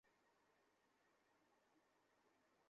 রাখাল বন্ধুকে দুহাতে জড়িয়ে ধরে রাজা তার ভুলের জন্য ক্ষমা চাইল।